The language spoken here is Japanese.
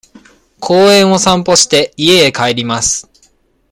公園を散歩して、家へ帰ります。